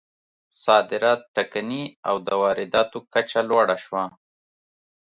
صادرات ټکني او د وارداتو کچه لوړه شوه.